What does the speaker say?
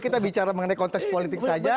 kita bicara mengenai konteks politik saja